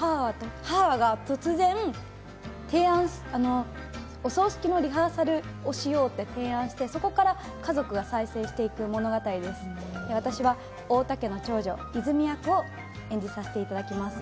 母が突然お葬式のリハーサルをしようって提案して、そこから家族が再生していく物語で、私も太田家の長女・泉美役を演じさせていただきます。